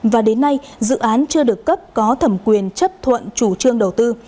và đến nay dự án chưa được cấp có thẩm quyền chấp thuận chủ trương đầu tư